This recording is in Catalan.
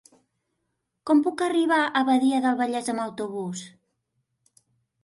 Com puc arribar a Badia del Vallès amb autobús?